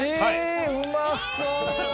うまそう。